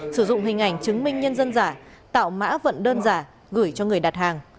sử dụng hình ảnh chứng minh nhân dân giả tạo mã vận đơn giả gửi cho người đặt hàng